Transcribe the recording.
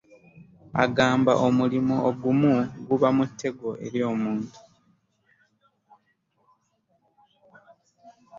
Agamba omulimu ogumu guba mutego eri omuntu.